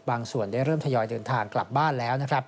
ส่วนได้เริ่มทยอยเดินทางกลับบ้านแล้วนะครับ